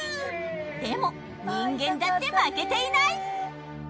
でも人間だって負けていない！